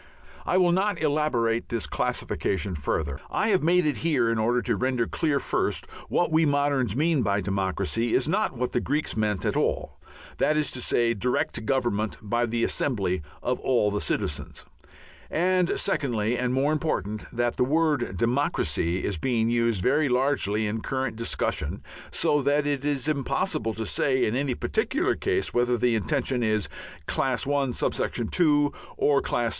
I will not elaborate this classification further. I have made it here in order to render clear first, that what we moderns mean by democracy is not what the Greeks meant at all, that is to say, direct government by the assembly of all the citizens, and secondly and more important, that the word "democracy" is being used very largely in current discussion, so that it is impossible to say in any particular case whether the intention is Class I.(2) or Class II.